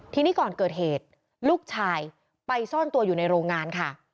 ทีนี้ก่อนเกิดเหตุลูกชายไปซ่อนตัวอยู่ในโรงงานค่ะ